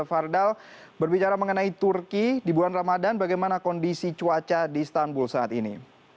fardal berbicara mengenai turki di bulan ramadan bagaimana kondisi cuaca di istanbul saat ini